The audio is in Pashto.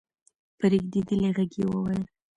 په رېږدېدلې غږ يې وويل: